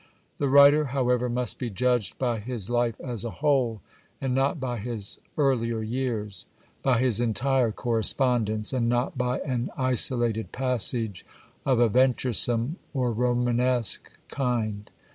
The writer, how ever, must be judged by his life as a whole, and not by his earlier years ; by his entire correspondence, and not by an isolated passage of a venturesome or romanesque kind.